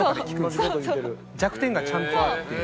弱点がちゃんとあるっていう。